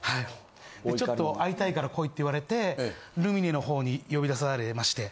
ちょっと会いたいから来いって言われてルミネの方に呼び出されまして。